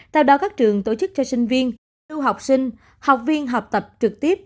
tại đó các trường tổ chức cho sinh viên du học sinh học viên học tập trực tiếp